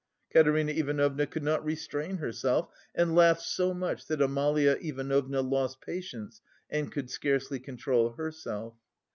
Katerina Ivanovna could not restrain herself and laughed so much that Amalia Ivanovna lost patience and could scarcely control herself.